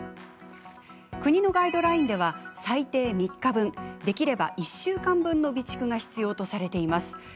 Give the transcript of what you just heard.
国のガイドラインでは最低３日分できれば、１週間分の備蓄が必要とされています。